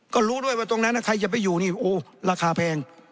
ก็รู้ด้วยว่าตรงนั้นใครจะไปอยู่นี่โอ้ราคาแพง